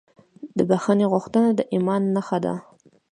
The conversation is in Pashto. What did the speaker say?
د بښنې غوښتنه د ایمان نښه ده.